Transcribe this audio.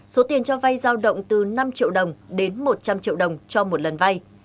số tiền cho vay giao động từ năm triệu đồng đến một trăm linh triệu đồng cho một lần vay